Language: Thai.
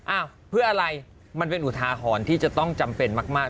อ้าวเพื่ออะไรมันเป็นอุทาหรณ์ที่จะต้องจำเป็นมาก